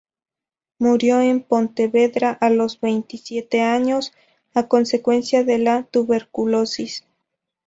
Murió en Pontevedra a los veintisiete años, a consecuencia de la tuberculosis.